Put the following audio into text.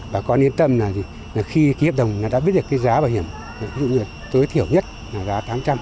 bà con yên tâm là khi ký hiệp đồng nó đã biết được cái giá bảo hiểm ví dụ như tôi thiểu nhất là giá tám trăm linh